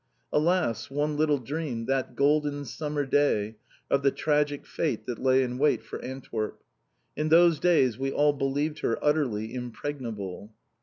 Alas, one little dreamed, that golden summer day, of the tragic fate that lay in wait for Antwerp! In those days we all believed her utterly impregnable.